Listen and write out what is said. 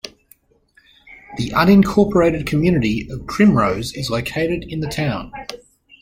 The unincorporated community of Primrose is located in the town.